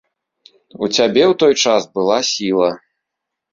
У цябе ў той час была сіла.